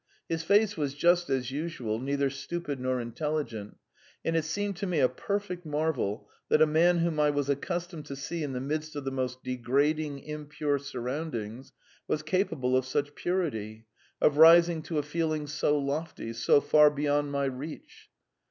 His face was just as usual neither stupid nor intelligent and it seemed to me a perfect marvel that a man whom I was accustomed to see in the midst of the most degrading, impure surroundings, was capable of such purity, of rising to a feeling so lofty, so far beyond my reach.